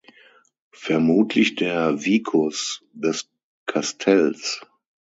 Vermutlich der "vicus" des Kastells.